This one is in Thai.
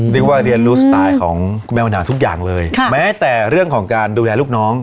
นึกว่ารู้สไตล์ของแม่วันหาวิทยาลัยทุกอย่างเลยค่ะแม้แต่เรื่องของการดูแลลูกน้อง